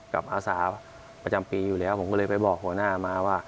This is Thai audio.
อาสาประจำปีอยู่แล้วผมก็เลยไปบอกหัวหน้ามาว่า